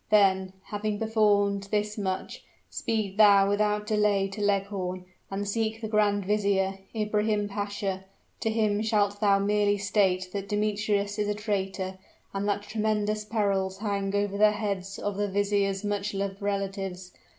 Then, having performed this much, speed thou without delay to Leghorn, and seek the grand vizier, Ibrahim Pasha. To him shalt thou merely state that Demetrius is a traitor, and that tremendous perils hang over the heads of the vizier's much loved relatives.